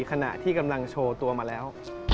ขณะที่กำลังโชว์ตัวมาแล้ว